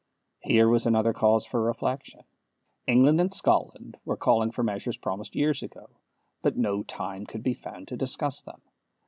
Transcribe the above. Here was another cause for reflection. England and Scotland were calling for measures promised years ago, but no time could be found to discuss them.